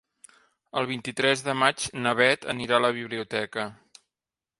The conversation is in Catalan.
El vint-i-tres de maig na Beth anirà a la biblioteca.